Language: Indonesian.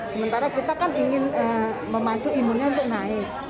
sementara kita kan ingin memacu imunnya untuk naik